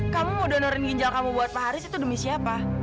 kamu mau donorin ginjal kamu buat pak haris itu demi siapa